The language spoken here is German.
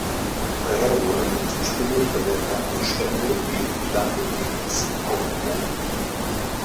Daher wurde mit Zustimmung der Landstände die Landmiliz aufgeboten.